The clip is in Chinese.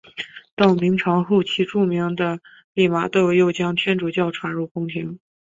到明朝后期著名的利玛窦又将天主教传入宫廷。